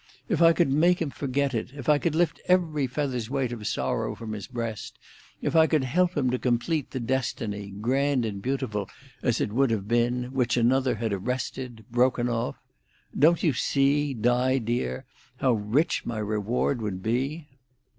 If I could make him forget it, if I could lift every feather's weight of sorrow from his breast, if I could help him to complete the destiny, grand and beautiful as it would have been, which another had arrested, broken off—don't you see, Di dear, how rich my reward would be?